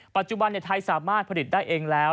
ปัจจุบันในไทยสามารถผลิตได้เองแล้ว